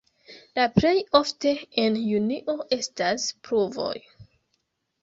La plej ofte en junio estas pluvoj.